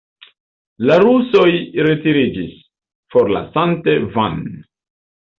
La rusoj retiriĝis, forlasante Van.